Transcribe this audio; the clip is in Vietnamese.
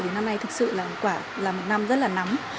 thì năm nay thực sự là một năm rất là nắm